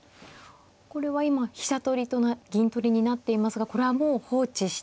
これは今飛車取りと銀取りになっていますがこれはもう放置して。